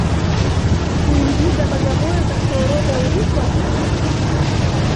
Kuingiza Bagamoyo katika orodha ya urithi wa Dunia